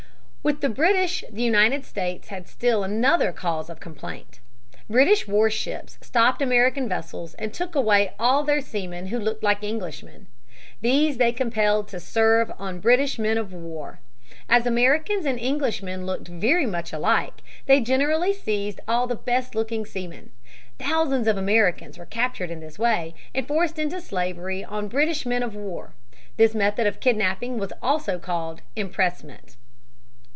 With the British the United States had still another cause of complaint. British warships stopped American vessels and took away all their seamen who looked like Englishmen. These they compelled to serve on British men of war. As Americans and Englishmen looked very much alike, they generally seized all the best looking seamen. Thousands of Americans were captured in this way and forced into slavery on British men of war. This method of kidnaping was called impressment.